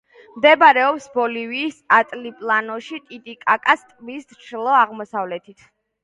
მდებარეობს ბოლივიის ალტიპლანოში, ტიტიკაკას ტბის ჩრდილო-აღმოსავლეთით.